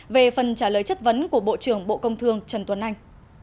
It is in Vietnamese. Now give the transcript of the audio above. về phần trả lời chất vấn của bộ trưởng bộ công thương trần tuấn anh